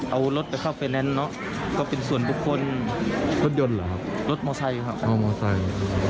เอารถไปเข้าไฟแนนซ์เนอะก็เป็นส่วนบุคคลรถยนต์เหรอครับรถมอไซค์ครับมอไซค์